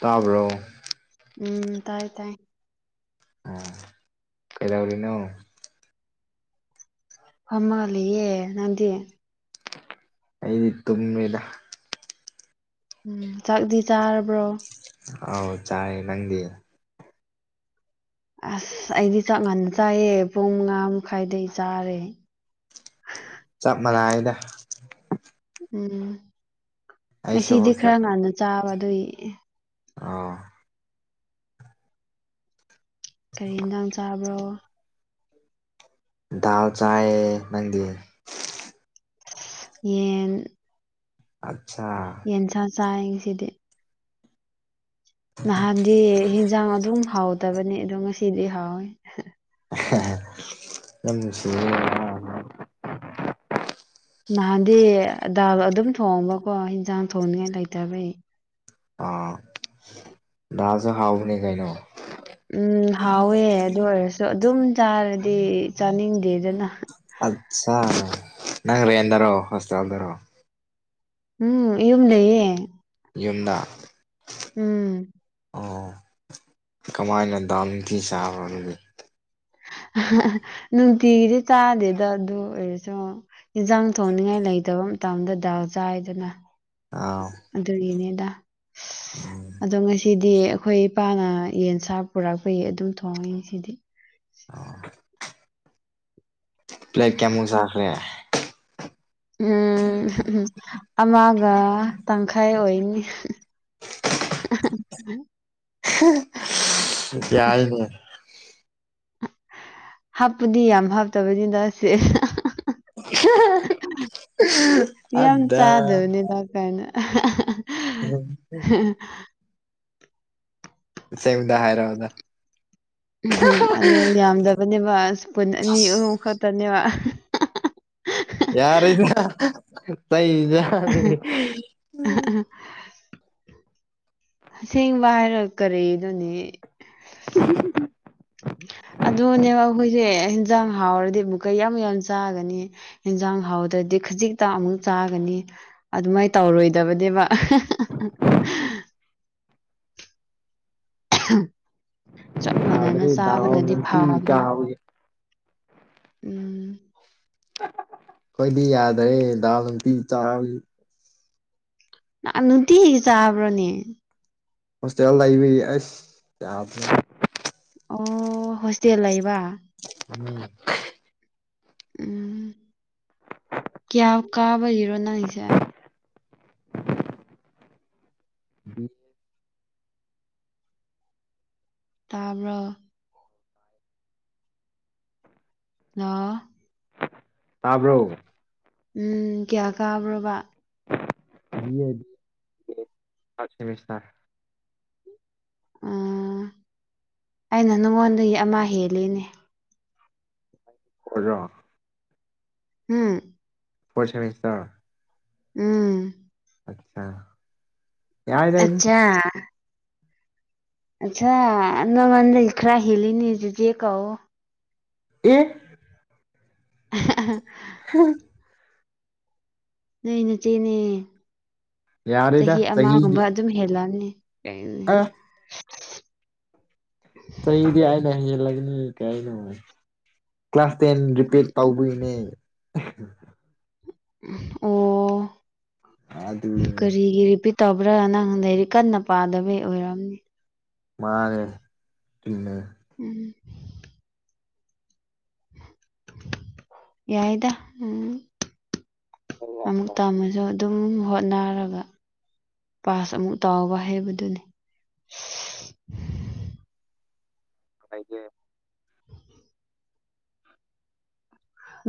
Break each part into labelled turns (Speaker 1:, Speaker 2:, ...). Speaker 1: ꯇꯥꯕ꯭ꯔꯣ
Speaker 2: ꯎꯝ ꯇꯥꯏ ꯇꯥꯏ
Speaker 1: ꯑꯣ ꯀꯩꯗꯧꯔꯤꯅꯣ
Speaker 2: ꯐꯝꯃꯒ ꯂꯩꯌꯦ ꯅꯪꯗꯤ
Speaker 1: ꯑꯩꯗꯤ ꯇꯨꯝꯃꯦꯗ
Speaker 2: ꯎꯝ ꯆꯥꯛꯗꯤ ꯆꯥꯔꯕ꯭ꯔꯣ
Speaker 1: ꯑꯥꯎ ꯆꯥꯔꯦ ꯅꯪꯗꯤ
Speaker 2: ꯑꯁ ꯑꯩꯗꯤ ꯆꯥꯛ ꯉꯟꯅ ꯆꯥꯏꯌꯦ ꯄꯨꯡ ꯃꯉꯥ ꯃꯈꯥꯏꯗꯩ ꯆꯥꯔꯦ
Speaker 1: ꯆꯞ ꯃꯥꯟꯅꯥꯏꯗ
Speaker 2: ꯎꯝ
Speaker 1: ꯑꯩꯁꯨ
Speaker 2: ꯉꯁꯤꯗꯤ ꯈꯔ ꯉꯟꯅ ꯆꯥꯕ ꯑꯗꯨꯏ
Speaker 1: ꯑꯣ
Speaker 2: ꯀꯔꯤ ꯏꯟꯖꯥꯡ ꯆꯥꯕ꯭ꯔꯣ
Speaker 1: ꯗꯥꯜ ꯆꯥꯌꯦ ꯅꯪꯗꯤ
Speaker 2: ꯌꯦꯟ
Speaker 1: ꯑꯠꯁꯥ
Speaker 2: ꯌꯦꯟꯁꯥ ꯆꯥꯏ ꯉꯁꯤꯗꯤ ꯅꯍꯥꯟꯗꯤ ꯍꯤꯟꯖꯥꯡ ꯑꯗꯨꯝ ꯍꯥꯎꯇꯕꯅꯤ ꯑꯗꯣ ꯉꯁꯤꯗꯤ ꯍꯥꯎꯋꯤ
Speaker 1: ꯌꯥꯝ ꯅꯨꯡꯁꯤꯌꯦ
Speaker 2: ꯅꯍꯥꯟꯗꯤ ꯗꯥꯜ ꯑꯗꯨꯝ ꯊꯣꯡꯕꯀꯣ ꯍꯤꯟꯖꯥꯡ ꯊꯣꯡꯅꯤꯉꯥꯏ ꯂꯩꯇꯕꯩ
Speaker 1: ꯑꯣ ꯗꯥꯜꯁꯨ ꯍꯥꯎꯕꯅꯤ ꯀꯩꯅꯣ
Speaker 2: ꯎꯝ ꯍꯥꯎꯋꯦ ꯑꯗꯨ ꯑꯣꯏꯔꯁꯨ ꯑꯗꯨꯝ ꯆꯥꯔꯗꯤ ꯆꯥꯅꯤꯡꯗꯦꯗꯅ
Speaker 1: ꯑꯠꯆꯥ ꯅꯪ ꯔꯦꯟꯗꯔꯣ ꯍꯣꯁꯇꯦꯜꯗꯔꯣ
Speaker 2: ꯎꯝ ꯑꯩ ꯌꯨꯝ ꯂꯩꯌꯦ
Speaker 1: ꯌꯨꯝꯗ
Speaker 2: ꯎꯝ
Speaker 1: ꯑꯣ ꯀꯃꯥꯏꯅ ꯗꯥꯜ ꯅꯨꯇꯤ ꯆꯥꯕꯔꯣ ꯑꯗꯨꯗꯤ
Speaker 2: ꯅꯨꯡꯇꯤꯒꯤꯗꯤ ꯆꯥꯗꯦꯗ ꯑꯗꯨ ꯑꯣꯏꯔꯁꯨ ꯏꯟꯖꯥꯡ ꯊꯣꯡꯅꯤꯡꯉꯥꯏ ꯂꯩ ꯂꯩꯇꯕ ꯃꯇꯝꯗ ꯗꯥꯜ ꯆꯥꯏꯗꯅ
Speaker 1: ꯑꯥꯎ
Speaker 2: ꯑꯗꯨꯒꯤꯅꯦ
Speaker 1: ꯎꯝ
Speaker 2: ꯑꯗꯣ ꯉꯁꯤ ꯗꯤ ꯑꯩꯈꯣꯏ ꯏꯄꯥꯅ ꯌꯦꯟꯁꯥ ꯄꯨꯔꯛꯄꯒꯤ ꯑꯗꯨꯝ ꯊꯣꯡꯉꯤ ꯉꯁꯤꯗꯤ
Speaker 1: ꯄ꯭ꯂꯦꯠ ꯀꯌꯥꯃꯨꯛ ꯆꯥꯈ꯭ꯔꯦ
Speaker 2: ꯎꯝ ꯎꯝ ꯑꯃꯒ ꯇꯪꯈꯥꯏ ꯑꯣꯏꯅꯤ [unintelligible]
Speaker 1: ꯌꯥꯢꯌꯦ ꯗꯨꯝ
Speaker 2: ꯍꯥꯞꯄꯗꯤ ꯌꯥꯝ ꯍꯥꯞꯇꯕꯗꯤꯗ ꯑꯁꯤ
Speaker 1: [unintelligible]
Speaker 2: ꯌꯥꯝ
Speaker 1: ꯑꯗꯥ
Speaker 2: ꯆꯥꯗꯕꯅꯤꯗ ꯀꯩꯅꯣ
Speaker 1: [unintelligible] ꯑꯁꯦꯡꯕꯗ ꯍꯥꯏꯔꯛꯑꯣꯗ
Speaker 2: ꯎꯝ ꯑꯗꯨ ꯌꯥꯝꯗꯕꯅꯦꯕ ꯁ꯭ꯄꯨꯟ ꯑꯅꯤ ꯑꯍꯨꯝ ꯈꯛꯇꯅꯦꯕ
Speaker 1: ꯌꯥꯔꯦꯗ ꯆꯩ ꯆꯥꯒꯅꯤ
Speaker 2: ꯑꯁꯦꯡꯕ ꯍꯥꯏꯔ ꯀꯔꯤꯅꯣꯅꯦ
Speaker 1: [unintelligible]
Speaker 2: ꯑꯗꯨꯅꯦꯕ ꯑꯈꯣꯏꯁꯦ ꯍꯤꯟꯖꯥꯡ ꯍꯥꯎꯔꯗꯤ ꯑꯃꯨꯛꯀꯥ ꯌꯥꯝ ꯌꯥꯝ ꯆꯥꯒꯅꯤ ꯍꯤꯟꯖꯥꯡ ꯍꯥꯎꯗ ꯇꯔꯗꯤ ꯈꯖꯤꯛꯇ ꯑꯃꯨꯛ ꯆꯥꯒꯅꯤ ꯑꯗꯨꯃꯥꯏꯅ ꯇꯧꯔꯣꯏꯗꯕꯅꯦꯕ
Speaker 1: [inaudible]
Speaker 2: ꯆꯞ ꯃꯥꯟꯅꯅ
Speaker 1: ꯌꯥꯗ꯭ꯔꯦ ꯗꯥꯎ
Speaker 2: ꯆꯥꯕꯅꯗꯤ
Speaker 1: ꯅꯨꯡꯇꯤ
Speaker 2: ꯐꯥꯕꯅꯦꯕ
Speaker 1: ꯀꯥꯕꯒꯤ
Speaker 2: ꯎꯝ
Speaker 1: ꯑꯈꯣꯏꯗꯤ ꯌꯥꯗ꯭ꯔꯦ ꯗꯥꯜ ꯅꯨꯡꯇꯤ ꯆꯥꯕꯒꯤ
Speaker 2: ꯗꯥꯥꯜ ꯅꯨꯡꯇꯤꯒꯤ ꯆꯥꯕ꯭ꯔꯣꯅꯦ
Speaker 1: ꯍꯣꯁꯇꯦꯜ ꯂꯩꯕꯒꯤ ꯑꯩꯁ ꯌꯥꯗ꯭ꯔꯦ
Speaker 2: ꯑꯣ ꯍꯣꯁꯇꯦꯜ ꯂꯩꯕ
Speaker 1: [unintelligible]
Speaker 2: ꯎꯝ ꯀꯤꯌꯥ ꯀꯥꯕꯒꯤꯔꯣ ꯅꯪꯒꯤꯁꯦ
Speaker 1: [inaudible]
Speaker 2: ꯇꯕ꯭ꯔꯣ ꯂꯣ
Speaker 1: ꯇꯥꯕ꯭ꯔꯣ
Speaker 2: ꯎꯝ ꯀꯤꯌꯥ ꯀꯥꯕ꯭ꯔꯣꯕ
Speaker 1: ꯕꯤ ꯑꯦ ꯗꯤ ꯊꯥꯔꯠ ꯁꯦꯃꯤꯁꯇꯔ
Speaker 2: ꯑꯥ ꯑꯩꯅ ꯅꯉꯣꯟꯗꯒꯤ ꯑꯃ ꯍꯦꯜꯂꯤꯅꯦ
Speaker 1: ꯑꯣꯖꯥ
Speaker 2: ꯍꯨꯝ
Speaker 1: ꯐꯣꯔꯠ ꯁꯦꯃꯤꯁꯇꯔ
Speaker 2: ꯎꯝ
Speaker 1: ꯑꯆꯥ
Speaker 2: ꯑꯠꯆꯥ ꯑꯠꯆꯥ ꯅꯪꯉꯣꯟꯗꯩ ꯈꯔ ꯍꯦꯂꯤꯅꯤ ꯆꯤꯆꯦ ꯀꯧꯑꯣ
Speaker 1: ꯑꯦ
Speaker 2: [inaudible]
Speaker 1: [inaudible]
Speaker 2: ꯅꯣꯏ ꯅꯠꯆꯦꯅꯦ
Speaker 1: ꯌꯥꯔꯦꯗ
Speaker 2: ꯆꯍꯤ
Speaker 1: ꯆꯍꯤꯗꯤ
Speaker 2: ꯑꯃꯒꯨꯝꯕ ꯑꯗꯨꯝ ꯍꯦꯜꯂꯛꯑꯅꯤ
Speaker 1: ꯑ
Speaker 2: [unintelligible]
Speaker 1: ꯆꯍꯤꯗꯤ ꯑꯩꯅ ꯍꯦꯜꯂꯒꯅꯤ ꯀꯩꯅꯣ ꯀ꯭ꯂꯥꯁ ꯇꯦꯟ ꯔꯤꯄꯤꯠ ꯇꯧꯕꯒꯤꯅꯦ
Speaker 2: ꯑꯣ
Speaker 1: ꯑꯗꯨ
Speaker 2: ꯀꯔꯤꯒꯤ ꯔꯤꯄꯤꯠ ꯇꯧꯕ꯭ꯔꯥ ꯅꯪ ꯂꯥꯏꯔꯤꯛ ꯀꯟꯅ ꯄꯥꯗꯕꯩ ꯑꯣꯏꯔꯝꯅꯤ
Speaker 1: ꯃꯥꯅꯦ ꯆꯨꯝꯃꯦ
Speaker 2: ꯎꯝ ꯌꯥꯏꯗ ꯎꯝ ꯑꯃꯨꯛ ꯇꯝꯃꯁꯨ ꯑꯗꯨꯝ ꯍꯣꯠꯅꯔꯒ ꯄꯥꯁ ꯑꯃꯨꯛ ꯇꯥꯎꯕ ꯍꯥꯏꯕꯗꯨꯅꯤ
Speaker 1: [unintelligible]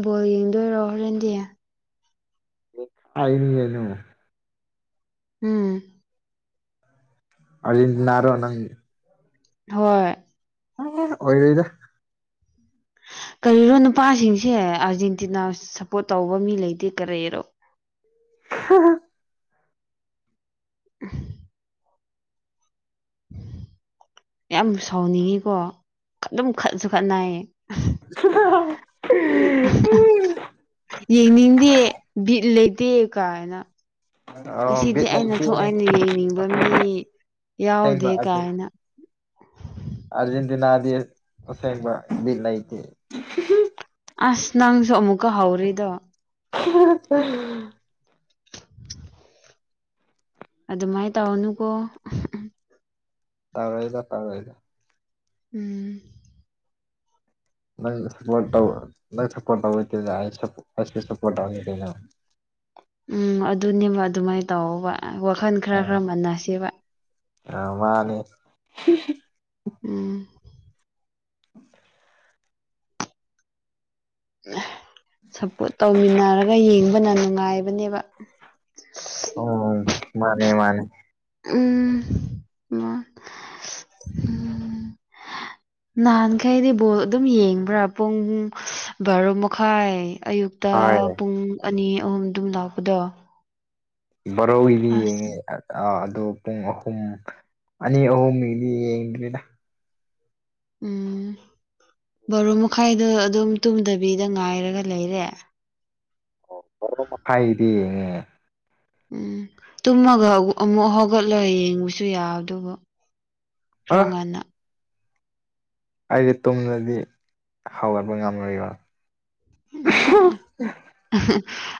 Speaker 2: ꯕꯣꯜ ꯌꯦꯡꯗꯣꯏꯔꯣ ꯍꯣꯔꯦꯟꯗꯤ
Speaker 1: ꯑꯩꯅꯤ ꯑꯗꯨ
Speaker 2: ꯎꯝ
Speaker 1: ꯑꯥꯔꯖꯦꯟꯇꯤꯅꯔꯣ ꯅꯪ
Speaker 2: ꯍꯣꯏ
Speaker 1: ꯑꯣꯏꯔꯣꯏꯗ [inaudible]
Speaker 2: ꯀꯔꯤꯔꯣ ꯅꯨꯄꯥꯁꯤꯡꯁꯦ ꯑꯥꯔꯖꯦꯟꯇꯤꯅꯥ ꯁꯞꯄꯣꯔꯠ ꯇꯧꯕ ꯃꯤ ꯂꯩꯇꯦ ꯀꯔꯤꯔꯣ
Speaker 1: ꯍꯥ ꯍꯥ
Speaker 2: [unintelligible] ꯌꯥꯝ ꯁꯥꯎꯅꯤꯡꯉꯤꯀꯣ ꯑꯗꯨꯝ ꯈꯠꯁꯨ ꯈꯠꯅꯩ
Speaker 1: [unintelligible]
Speaker 2: ꯌꯦꯡꯅꯤꯡꯗꯦ ꯕꯤꯠ ꯂꯩꯇꯦ ꯀꯥꯏꯅ
Speaker 1: ꯑꯣ
Speaker 2: ꯉꯁꯤꯗꯤ
Speaker 1: ꯕꯤꯠ
Speaker 2: ꯑꯩꯅ
Speaker 1: ꯂꯩꯇꯦꯍꯦ
Speaker 2: ꯊꯣꯛꯑꯦꯅꯦ ꯌꯦꯡꯅꯤꯡꯕ ꯃꯤ ꯌꯥꯎꯗꯦ ꯀꯥꯏꯅ
Speaker 1: ꯑꯔꯖꯦꯟꯇꯤꯅꯗꯤ ꯑꯁꯦꯡꯕ ꯕꯤꯠ ꯂꯩꯇꯦ
Speaker 2: ꯑꯁ ꯅꯪꯁꯨ ꯑꯃꯨꯛꯀ ꯍꯧꯔꯤꯗꯣ
Speaker 1: [inaudible]
Speaker 2: ꯑꯗꯨ ꯃꯥꯏ ꯇꯧꯅꯨꯀꯣ
Speaker 1: ꯇꯧꯔꯣꯏꯗ ꯇꯧꯔꯣꯏꯗ
Speaker 2: ꯎꯝ
Speaker 1: [unintelligible]
Speaker 2: ꯎꯝ ꯑꯗꯨꯅꯦꯕ ꯑꯗꯨꯃꯥꯏꯅ ꯇꯧꯑꯣꯕ ꯋꯥꯈꯜ ꯈꯔ ꯈꯔ ꯃꯟꯅꯁꯦꯕ
Speaker 1: ꯑ ꯃꯥꯅꯦ
Speaker 2: ꯎꯝ
Speaker 1: [inaudible]
Speaker 2: ꯁꯞꯄꯣꯔꯠ ꯇꯧꯃꯤꯟꯅꯔꯒ ꯌꯦꯡꯕꯅ ꯅꯨꯡꯉꯥꯏꯕꯅꯦꯕ
Speaker 1: ꯑꯣ ꯃꯥꯅꯦ ꯃꯥꯅꯦ
Speaker 2: ꯎꯝ ꯃ
Speaker 1: [inaudible]
Speaker 2: ꯅꯍꯥꯟꯈꯩꯗꯤ ꯕꯣꯜ ꯑꯗꯨꯝ ꯌꯦꯡꯕ꯭ꯔꯥ ꯄꯨꯡ ꯕꯥꯔꯣ ꯃꯈꯥꯏ ꯑꯌꯨꯛꯇ
Speaker 1: ꯍꯣꯏ
Speaker 2: ꯄꯨꯡ ꯑꯅꯤ ꯑꯍꯨꯝ ꯑꯗꯨꯝ ꯂꯥꯛꯄꯗꯣ
Speaker 1: ꯕꯔꯣ ꯒꯤꯗꯤ ꯌꯦꯡꯉꯦ
Speaker 2: ꯑꯁ
Speaker 1: ꯑꯥ ꯄꯨꯡ ꯑꯍꯨꯝ ꯑꯅꯤ ꯑꯍꯨꯝ ꯒꯤꯗꯤ ꯌꯦꯡꯗ꯭ꯔꯤꯗ
Speaker 2: ꯎꯝ
Speaker 1: [inaudible]
Speaker 2: ꯕꯥꯔꯣ ꯃꯈꯥꯏꯗ ꯑꯗꯨꯝ ꯇꯨꯝꯗꯕꯤꯗ ꯉꯥꯏꯔꯒ ꯂꯩꯔꯦ
Speaker 1: ꯑꯣ ꯕꯔꯣ ꯃꯈꯥꯏꯒꯤꯗꯤ ꯌꯦꯡꯉꯦ
Speaker 2: ꯎꯝ ꯇꯨꯝꯃꯒ ꯑꯃꯨꯛ ꯍꯧꯒꯠꯂ ꯌꯦꯡꯕꯁꯨ ꯌꯥꯕꯗꯨꯕꯨ
Speaker 1: ꯑ
Speaker 2: ꯈꯔ ꯉꯟꯅ
Speaker 1: ꯑꯩꯗꯤ ꯇꯨꯝꯔꯗꯤ ꯍꯧꯒꯠꯄ ꯉꯝꯔꯣꯏꯕ
Speaker 2: ꯎꯝ
Speaker 1: [unintelligible]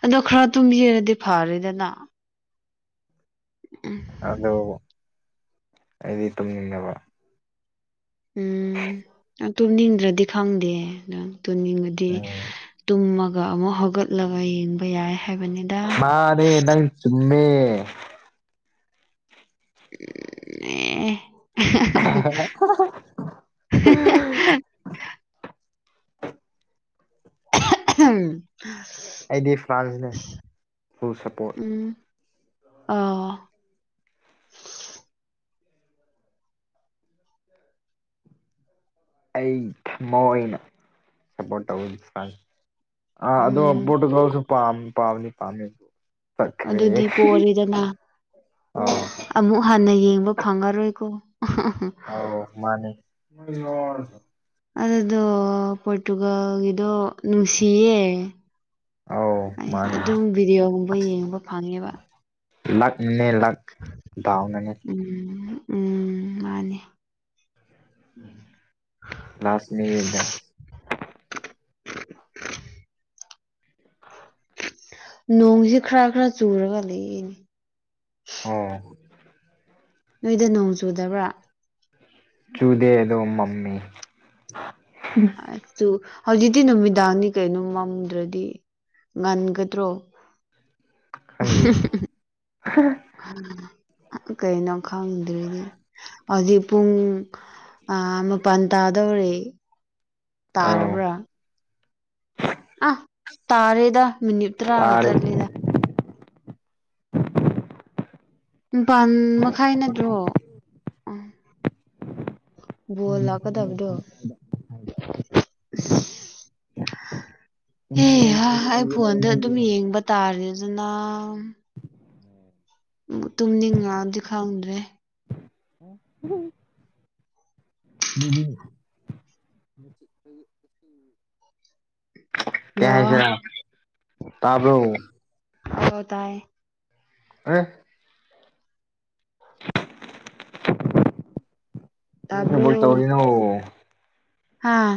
Speaker 2: ꯑꯗꯣ ꯈꯔ ꯇꯨꯝꯕꯤꯔꯗꯤ ꯐꯔꯦꯗꯅ ꯎꯝ
Speaker 1: ꯑꯗꯣ ꯑꯩꯗꯤ ꯇꯨꯝꯅꯤꯡꯉꯦꯕ
Speaker 2: ꯎꯝ ꯅꯪ ꯇꯨꯝꯅꯤꯡꯗ꯭ꯔꯗꯤ ꯈꯪꯗꯦ ꯅꯪ ꯇꯨꯅꯤꯡꯉꯥꯗꯤ
Speaker 1: ꯎꯝ
Speaker 2: ꯇꯨꯝꯃꯒ ꯑꯃꯨꯛ ꯍꯧꯒꯠꯂꯒ ꯌꯦꯡꯕ ꯌꯥꯏ ꯍꯥꯏꯕꯅꯤꯗ
Speaker 1: ꯃꯥꯅꯦ ꯅꯪ ꯆꯨꯝꯃꯦ
Speaker 2: ꯑꯦ [unintelligible]
Speaker 1: [inaudible] ꯑꯩꯗꯤ ꯐ꯭ꯔꯥꯟꯁꯅꯦ ꯐꯨꯜ
Speaker 2: [unintelligible]
Speaker 1: ꯁꯞꯄꯣꯔꯠ
Speaker 2: ꯎꯝ ꯑꯥ
Speaker 1: ꯑꯩ ꯊꯃꯣꯏꯅ ꯁꯞꯄꯣꯔꯠ ꯇꯧꯕꯒꯤ ꯐꯔꯥꯟꯁ ꯑꯥ ꯑꯗꯣ
Speaker 2: ꯎꯝ
Speaker 1: ꯄꯣꯔꯇꯨꯒꯜꯁꯨ ꯄꯥꯝ ꯄꯥꯝꯗꯤ ꯄꯥꯝꯃꯦ ꯆꯠꯈ꯭ꯔꯦ
Speaker 2: ꯑꯗꯨꯗꯤ ꯄꯣꯔꯦꯗꯅ
Speaker 1: ꯑꯧ
Speaker 2: ꯑꯃꯨꯛ ꯍꯟꯅ ꯌꯦꯡꯕ ꯐꯪꯉꯔꯣꯏꯀꯣ
Speaker 1: [unintelligible]
Speaker 2: ꯑꯗꯨꯗꯣ ꯄꯣꯔꯇꯨꯒꯜꯒꯤꯗꯣ ꯅꯨꯡꯁꯤꯌꯦ
Speaker 1: ꯑꯧ
Speaker 2: ꯑꯩ
Speaker 1: ꯃꯥꯅꯦ
Speaker 2: ꯑꯗꯨꯝ ꯚꯤꯗꯤꯑꯣ ꯒꯨꯝꯕ ꯌꯦꯡꯕ ꯐꯪꯉꯦꯕ
Speaker 1: ꯂꯛꯅꯦ ꯂꯛ ꯗꯥꯎꯅ ꯅꯥꯠ
Speaker 2: ꯎꯝ ꯎꯝ ꯃꯥꯅꯦ
Speaker 1: ꯂꯥꯁ ꯃꯤꯅꯤꯠꯗ
Speaker 2: [unintelligible] ꯅꯣꯡꯖꯦ ꯈꯔ ꯈꯔ ꯆꯨꯔꯒ ꯂꯩꯌꯦꯅꯦ
Speaker 1: ꯑꯣ
Speaker 2: ꯅꯣꯏꯗ ꯅꯣꯡ ꯆꯨꯗꯕ꯭ꯔꯥ
Speaker 1: ꯆꯨꯗꯦ ꯗꯣ ꯃꯝꯃꯦ
Speaker 2: ꯑ ꯆꯨ ꯍꯧꯖꯤꯛꯇꯤ ꯅꯨꯃꯤꯗꯥꯡꯅꯤ ꯀꯩꯅꯣ ꯃꯝꯗ꯭ꯔꯗꯤ ꯉꯥꯟꯒꯗ꯭ꯔꯣ
Speaker 1: ꯈꯜꯂꯤꯌꯦ
Speaker 2: [inaudible] ꯀꯩꯅꯣ ꯈꯪꯗ꯭ꯔꯤꯗꯤ ꯍꯧꯖꯤꯛ ꯄꯨꯡ ꯑꯥ ꯃꯄꯜ ꯇꯥꯗꯧ ꯑꯣꯔꯦ
Speaker 1: [inaudible] ꯑꯧ
Speaker 2: ꯇꯥꯔꯕ꯭ꯔꯥ ꯑ ꯇꯥꯔꯦꯗ ꯃꯤꯅꯤꯠ ꯇꯔꯥꯒ
Speaker 1: ꯇꯥꯔꯦ
Speaker 2: ꯆꯠꯂꯦꯗ ꯕꯥꯟ ꯃꯈꯥꯏ ꯅꯠꯇ꯭ꯔꯣ ꯑ ꯕꯣꯜ ꯂꯥꯛꯀꯗꯕꯗꯣ ꯑꯦꯍꯥ ꯑꯩ ꯐꯣꯟꯗ ꯑꯗꯨꯝ ꯌꯦꯡꯕ ꯇꯥꯔꯦ ꯑꯗꯨꯅ ꯇꯨꯝꯅꯤꯡꯉꯗꯤ ꯈꯪꯗ꯭ꯔꯦ
Speaker 1: [inaudible]
Speaker 2: [inaudible]
Speaker 1: ꯀꯩ
Speaker 2: ꯂꯥꯛꯑꯣ
Speaker 1: ꯍꯥꯏꯁꯦꯔ ꯇꯥꯕꯔꯣ
Speaker 2: ꯌꯣ ꯇꯥꯏꯌꯦ
Speaker 1: [unintelligible] ꯀꯔꯤ ꯊꯕꯛ ꯇꯧꯔꯤꯅꯣ
Speaker 2: ꯍꯥꯥ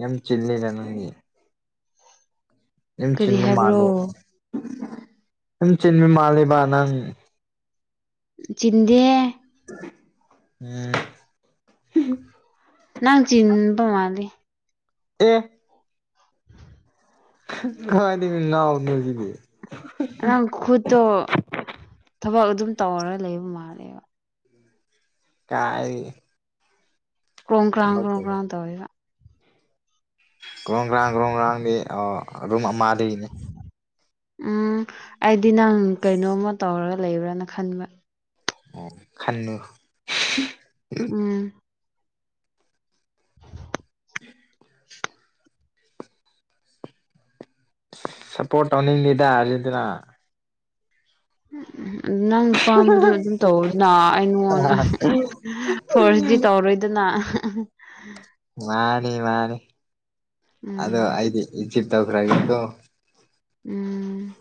Speaker 1: ꯌꯥꯝ ꯆꯤꯜꯂꯦꯗ ꯅꯪꯗꯤ ꯌꯥꯝ
Speaker 2: ꯀꯔꯤ
Speaker 1: ꯆꯤꯟꯕ
Speaker 2: ꯍꯥꯏꯕ꯭ꯔꯣ
Speaker 1: ꯃꯥꯂꯦ ꯌꯥꯝ ꯆꯤꯟꯕ ꯃꯥꯜꯂꯦꯕ ꯅꯪ
Speaker 2: ꯆꯤꯟꯗꯦ
Speaker 1: ꯎꯝ
Speaker 2: ꯅꯪ ꯆꯤꯟꯕ ꯃꯥꯜꯂꯤ
Speaker 1: ꯑꯦ ꯀꯥꯏꯗꯥꯏꯗꯩ ꯉꯥꯎ [unintelligible]
Speaker 2: ꯅꯪ ꯈꯨꯠꯇꯣ ꯊꯕꯛ ꯑꯗꯨꯝ ꯇꯧꯔꯒ ꯂꯩ ꯃꯥꯜꯂꯦꯕ
Speaker 1: ꯀꯥꯏꯗꯒꯤ
Speaker 2: ꯀ꯭ꯔꯣꯡ ꯀ꯭ꯔꯥꯡ
Speaker 1: ꯊꯕꯛ
Speaker 2: ꯀ꯭ꯔꯣꯡ ꯀ꯭ꯔꯥꯡ ꯇꯧꯋꯦꯕ
Speaker 1: ꯒ꯭ꯔꯣꯡ ꯒ꯭ꯔꯥꯡ ꯒ꯭ꯔꯣꯡ ꯒ꯭ꯔꯥꯡꯗꯤ ꯑꯥ ꯑꯗꯨꯝ ꯑꯃꯗꯩꯅꯤ
Speaker 2: ꯎꯝ ꯑꯩꯗꯤ ꯅꯪ ꯀꯩꯅꯣꯝꯃ ꯇꯧꯔꯒ ꯂꯩꯕ꯭ꯔꯥꯅ ꯈꯟꯕ
Speaker 1: ꯈꯟꯅꯨ
Speaker 2: ꯎꯝ
Speaker 1: [inaudible] ꯁꯞꯄꯣꯔꯠ ꯇꯧꯅꯤꯡꯗꯤꯗ ꯑ꯭ꯔꯖꯦꯟꯇꯤꯅ
Speaker 2: ꯎꯝ [unintelligible] ꯅꯪ ꯄꯥꯝꯕꯗꯣ ꯑꯗꯨꯝ ꯇꯧꯗꯅ ꯑꯩ ꯅꯉꯣꯟꯗ ꯐꯣꯔꯁꯇꯤ ꯇꯧꯔꯣꯏꯗꯅ [unintelligible]
Speaker 1: ꯃꯥꯅꯤ ꯃꯥꯅꯤ ꯑꯗꯣ
Speaker 2: ꯎꯝ
Speaker 1: ꯑꯩꯗꯤ ꯏꯖꯤꯞ ꯇꯧꯈ꯭ꯔꯒꯦꯀꯣ
Speaker 2: ꯎꯝ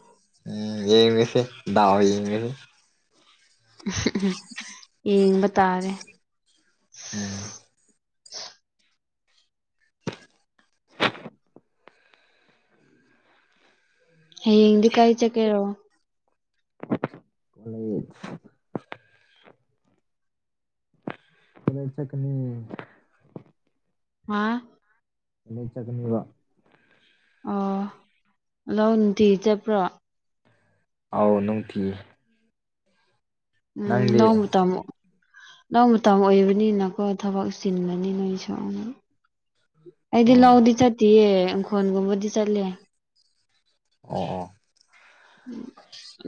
Speaker 1: ꯎꯝ ꯌꯦꯡꯔꯁꯤ ꯗꯥꯎ ꯌꯦꯡꯉꯥꯅꯤ
Speaker 2: ꯌꯦꯡꯕ ꯇꯥꯔꯦ
Speaker 1: ꯎꯝ
Speaker 2: [inaudible] ꯍꯌꯦꯡꯗꯤ ꯀꯥꯏ ꯆꯠꯀꯦꯔꯣ
Speaker 1: ꯀꯣꯂꯦꯖ ꯀꯣꯂꯦꯖ ꯆꯠꯀꯅꯤ
Speaker 2: ꯍꯥꯥ
Speaker 1: ꯀꯣꯂꯦꯖ ꯆꯠꯀꯅꯤꯕ
Speaker 2: ꯑꯣ ꯂꯧ ꯅꯨꯡꯇꯤꯒꯤ ꯆꯠꯄ꯭ꯔꯣ
Speaker 1: ꯑꯥꯎ ꯅꯨꯡꯇꯤ
Speaker 2: ꯎꯝ
Speaker 1: ꯅꯪꯗꯤ
Speaker 2: ꯂꯧ ꯃꯇꯝ ꯂꯧ ꯃꯇꯝ ꯑꯣꯏꯕꯅꯤꯅꯀꯣ ꯊꯕꯛ ꯆꯤꯟꯒꯅꯤ ꯅꯣꯏꯁꯨ ꯑꯩꯗꯤ
Speaker 1: ꯑꯣ
Speaker 2: ꯂꯧꯗꯤ ꯆꯠꯇꯤꯌꯦ ꯏꯪꯈꯣꯟꯒꯨꯝꯕꯗꯤ ꯆꯠꯂꯦ
Speaker 1: ꯑꯣ ꯑꯣ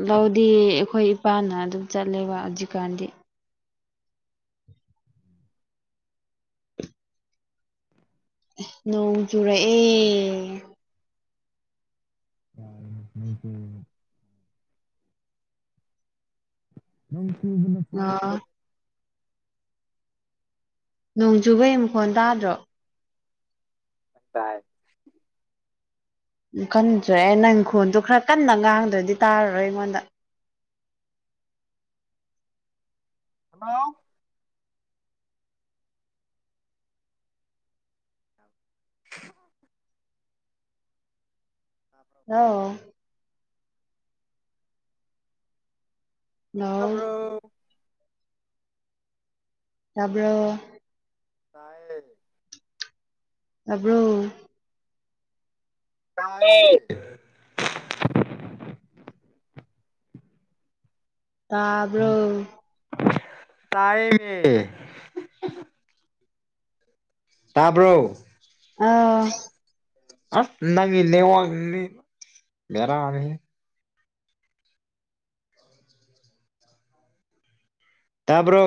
Speaker 2: ꯂꯧꯗꯤ ꯈꯣꯏ ꯏꯄꯥꯅ ꯑꯗꯨꯝ ꯆꯠꯂꯦꯕ ꯍꯧꯖꯤꯛꯀꯥꯟꯗꯤ ꯅꯣꯡꯆꯨꯔꯛꯑꯦ
Speaker 1: [unintelligible] ꯅꯪ
Speaker 2: ꯑꯥ ꯅꯣꯡ ꯆꯨꯕꯩ ꯃꯈꯣꯟ ꯇꯗ꯭ꯔꯣ
Speaker 1: ꯇꯏ
Speaker 2: ꯀꯟꯗ꯭ꯔꯦ ꯅꯪꯈꯣꯜꯗꯣ ꯈꯔ ꯀꯟꯅ ꯉꯥꯡꯗ꯭ꯔꯗꯤ ꯇꯔꯔꯣꯏ ꯑꯩꯉꯣꯟꯗ
Speaker 1: ꯍꯂꯣ [inaudible]
Speaker 2: ꯂꯣ ꯂꯥꯎ
Speaker 1: ꯇꯥꯕ꯭ꯔꯣ
Speaker 2: ꯇꯕ꯭ꯔꯣ
Speaker 1: ꯇꯥꯏꯌꯦ
Speaker 2: ꯇꯕ꯭ꯔꯣ
Speaker 1: ꯇꯥꯏꯌꯦ
Speaker 2: ꯇꯕ꯭ꯔꯣ
Speaker 1: ꯇꯥꯏꯌꯦ ꯇꯕ꯭ꯔꯣ
Speaker 2: ꯑꯥꯎ
Speaker 1: ꯑꯁ ꯅꯪꯒꯤ ꯅꯦꯠꯋꯛ ꯁꯤꯗꯤ ꯕꯦꯔꯅꯤꯍꯦ ꯇꯕ꯭ꯔꯣ